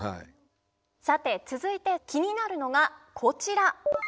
さて続いて気になるのがこちら。